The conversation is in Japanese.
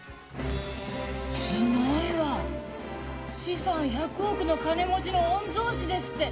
すごいわ資産１００億の金持ちの御曹司ですって。